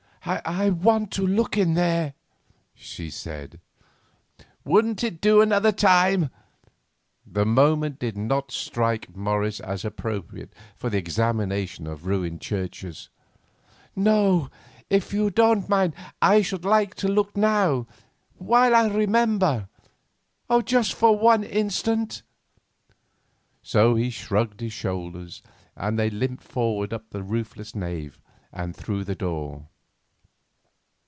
"I want to look in there," she said. "Wouldn't it do another time?" The moment did not strike Morris as appropriate for the examination of ruined churches. "No; if you don't mind I should like to look now, while I remember, just for one instant." So he shrugged his shoulders, and they limped forward up the roofless nave and through the door.